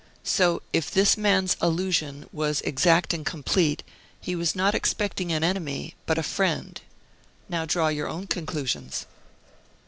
So if this man's allusion was exact and complete, he was not expecting an enemy, but a friend. Now draw your own conclusions."